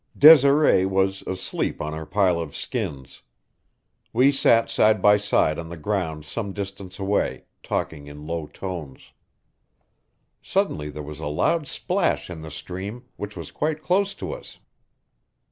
Desiree was asleep on her pile of skins. We sat side by side on the ground some distance away, talking in low tones. Suddenly there was a loud splash in the stream, which was quite close to us.